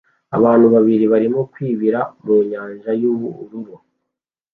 Abantu babiri barimo kwibira mu nyanja yubururu